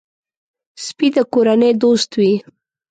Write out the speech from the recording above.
سپي د کورنۍ دوست وي.